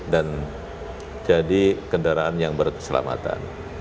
dan jadi kendaraan yang berkeselamatan